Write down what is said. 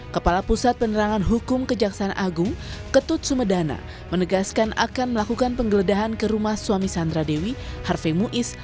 kepala pusat penerangan hukum kejaksaan agung ketut sumedana menegaskan akan melakukan penggeledahan ke rumah suami sandra dewi harvey muiz